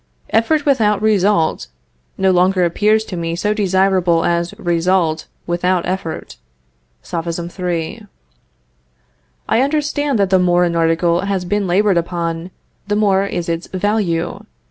"Effort without result, no longer appears to me so desirable as result without effort." (Sophism III.) "I understand that the more an article has been labored upon, the more is its value.